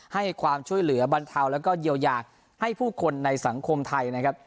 ให้ความช่วยเหลือบรรเทาแล้วก็เยียวยาให้ผู้คนในสังคมไทยนะครับ